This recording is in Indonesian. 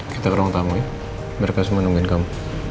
kita ke ruang tamu ya mir kasih menungguin kamu